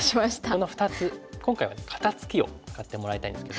この２つ今回は肩ツキを使ってもらいたいんですけども。